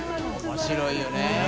面白いよね。